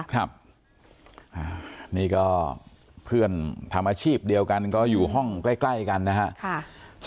ครับนี่ก็เพื่อนทำอาชีพเดียวกันก็อยู่ห้องใกล้กันนะครับ